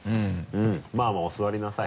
まぁまぁお座りなさい。